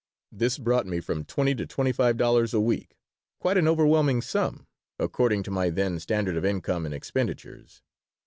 This brought me from twenty to twenty five dollars a week, quite an overwhelming sum, according to my then standard of income and expenditures.